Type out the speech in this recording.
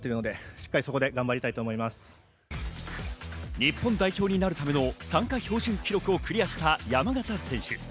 日本代表になるための参加標準記録をクリアした山縣選手。